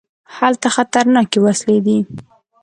هلته خطرناکې وسلې دي.